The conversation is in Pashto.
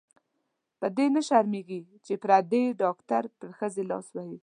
په دې نه شرمېږې چې پردې ډاکټر پر ښځې لاس وهي.